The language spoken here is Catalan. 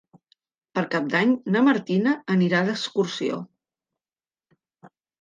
Per Cap d'Any na Martina anirà d'excursió.